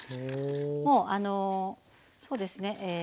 もうそうですね